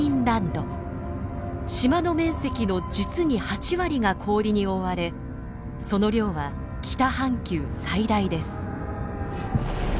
島の面積の実に８割が氷に覆われその量は北半球最大です。